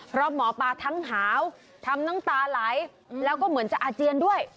เพราะหมอปลาทั้งหาวทำน้ำตาไหลแล้วก็เหมือนจะอาเจียนด้วย